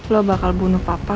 lo bakal bunuh papa